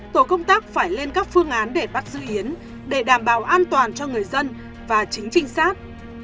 tổ công tác phải lên các phương án để bắt giữ yến để đảm bảo an toàn cho người dân và chính trinh sát